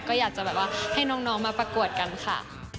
ก็อยากจะแบบว่าให้น้องมาประกวดกันค่ะ